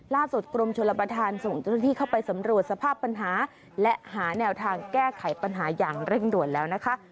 กรมชลประธานส่งเจ้าหน้าที่เข้าไปสำรวจสภาพปัญหาและหาแนวทางแก้ไขปัญหาอย่างเร่งด่วนแล้วนะคะ